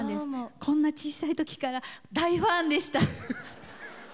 こんな小さいときから大ファンでした。